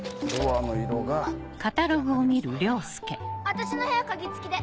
私の部屋鍵付きで！